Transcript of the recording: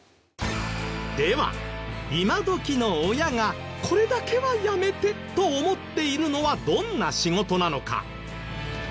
では今どきの親がこれだけはやめてと思っているのはどんな仕事なのか？